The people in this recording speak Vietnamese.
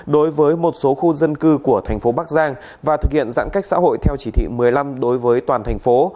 đối với một số khu dân cư của thành phố bắc giang và thực hiện giãn cách xã hội theo chỉ thị một mươi năm đối với toàn thành phố